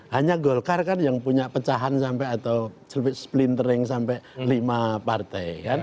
hanya golkar kan yang punya pecahan sampai atau splintering sampai lima partai